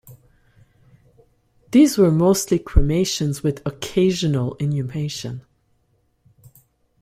These were mostly cremations, with occasional inhumation.